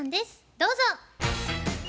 どうぞ。